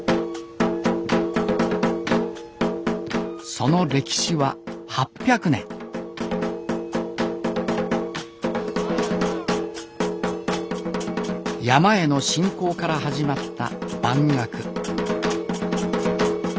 その歴史は８００年山への信仰から始まった番楽